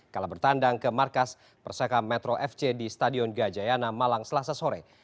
kala bertandang ke markas perseka metro fc di stadion gajayana malang selasa sore